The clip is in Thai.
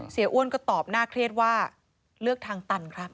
อ้วนก็ตอบน่าเครียดว่าเลือกทางตันครับ